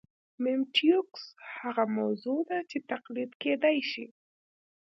میمیټیکوس هغه موضوع ده چې تقلید کېدای شي